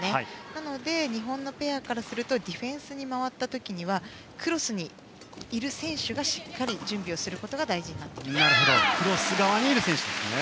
なので、日本のペアからするとディフェンスに回った時にはクロスにいる選手がしっかり準備をすることが大事になってきますね。